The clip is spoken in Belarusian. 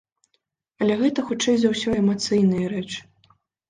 Але гэта, хутчэй за ўсё, эмацыйныя рэчы.